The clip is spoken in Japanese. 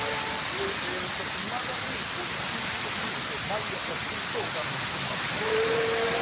いまだに石臼ときねで毎朝ついてお団子を作りますと。